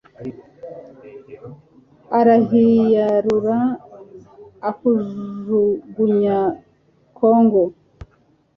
arahiyarura akujugunya kongo